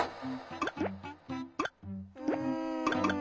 うん。